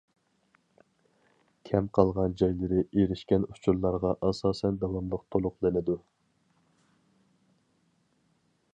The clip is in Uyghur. كەم قالغان جايلىرى ئېرىشكەن ئۇچۇرلارغا ئاساسەن داۋاملىق تولۇقلىنىدۇ.